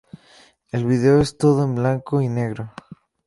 El video es todo en blanco y negro.